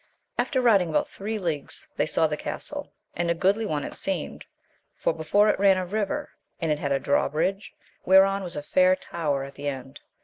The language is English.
After riding about three leagues they saw the castle, and a goodly one it seemed, for before it ran a river, and it had a drawbridge, whereon was a fair tower at the end.